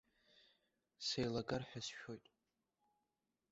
Сеилагар ҳәа сшәоит.